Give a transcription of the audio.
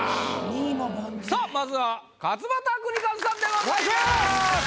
さあまずは勝俣州和さんでございます。